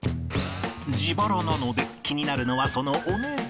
自腹なので気になるのはそのお値段。